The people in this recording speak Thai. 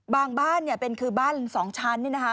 บางบ้านเนี่ยเป็นคือบ้าน๒ชั้นเนี่ยนะคะ